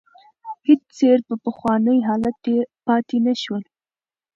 هېڅ څېز په پخواني حالت پاتې نه شول.